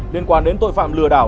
liên quan đến tội phạm lừa đảo